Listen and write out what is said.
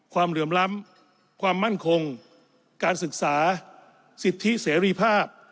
เหลื่อมล้ำความมั่นคงการศึกษาสิทธิเสรีภาพ